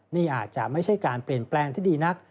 นี่อาจจะไม่ใช่การเปลี่ยนแปลงที่ดีนัก